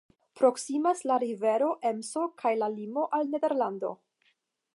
Proksimas la rivero Emso kaj la limo al Nederlando.